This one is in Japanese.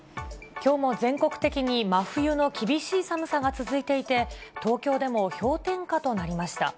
きょうも全国的に真冬の厳しい寒さが続いていて、東京でも氷点下となりました。